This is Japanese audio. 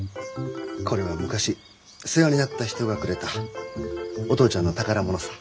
これは昔世話になった人がくれたお父ちゃんの宝物さ。